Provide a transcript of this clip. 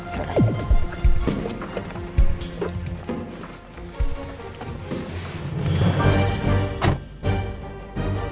oh makasih ya mas